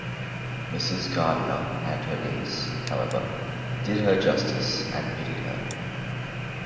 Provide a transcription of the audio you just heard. Mrs. Gardiner and her niece, however, did her justice, and pitied her.